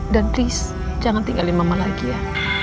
dan please jangan tinggalin mama lagi ya